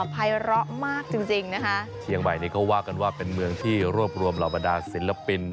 ภายละมากจริงนะคะเชียงใหม่นี้เขาว่ากันว่าเป็นเมืองที่รวบรวมลามดาล์ศิลปิน